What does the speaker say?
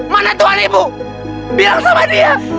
mana tuhan ibu bilang sama dia